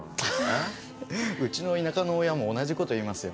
うちの田舎の親も同じ事言いますよ。